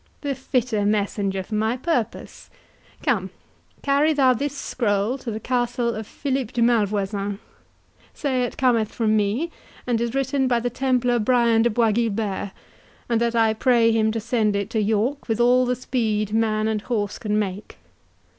"The fitter messenger for my purpose.—Carry thou this scroll to the castle of Philip de Malvoisin; say it cometh from me, and is written by the Templar Brian de Bois Guilbert, and that I pray him to send it to York with all the speed man and horse can make.